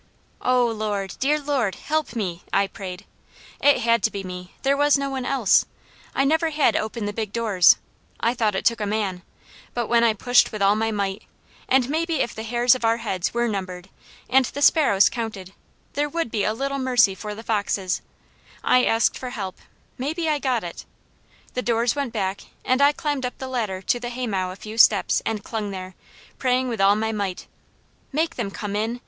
"Oh Lord! Dear Lord! Help me!" I prayed. It had to be me, there was no one else. I never had opened the big doors; I thought it took a man, but when I pushed with all my might and maybe if the hairs of our heads were numbered, and the sparrows counted, there would be a little mercy for the foxes I asked for help; maybe I got it. The doors went back, and I climbed up the ladder to the haymow a few steps and clung there, praying with all my might: "Make them come in!